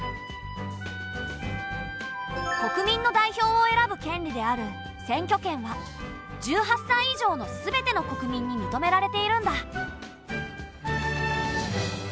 国民の代表を選ぶ権利である選挙権は１８歳以上のすべての国民に認められているんだ。